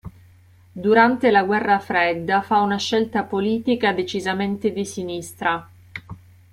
Durante la guerra fredda fa una scelta politica decisamente di sinistra.